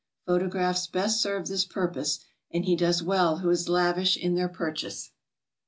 Photographs best serve this purpose, and he does well who is lavish in their purchase.